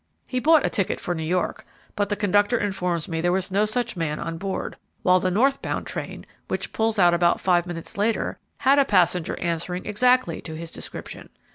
He bought a ticket for New York, but the conductor informs me there was no such man on board; while the north bound train, which pulls out about five minutes later, had a passenger answering exactly to his description.